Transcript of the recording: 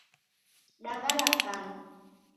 Daghala kala